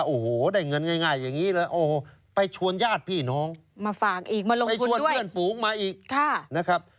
โอ้โหได้เงินง่ายอย่างนี้ไปชวนญาติพี่น้องไปชวนเพื่อนฝูงมาอีกนะครับ